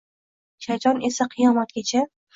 Shayton esa qiyomatgacha